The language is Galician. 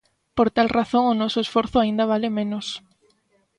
Por tal razón o noso esforzo aínda vale menos.